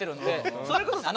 それこそ。